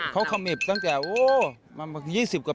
เขาขมิบตั้งแต่๒๐กว่าปีเลยนะครับ